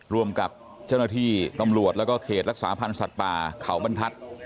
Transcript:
ร่วมกับเจ้าหน้าที่ตำรวจแล้วก็เขตรักษาพันธ์สัตว์ป่าเขาบรรทัศน์